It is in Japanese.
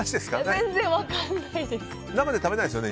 全然分かんないです。